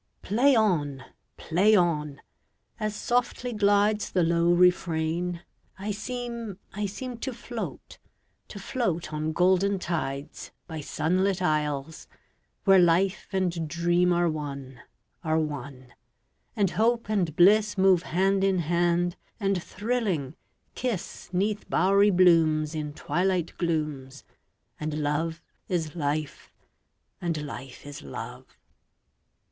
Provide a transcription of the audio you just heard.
1882.]PLAY on! Play on! As softly glidesThe low refrain, I seem, I seemTo float, to float on golden tides, By sunlit isles, where life and dreamAre one, are one; and hope and blissMove hand in hand, and thrilling, kiss'Neath bowery blooms, In twilight glooms, And love is life, and life is love.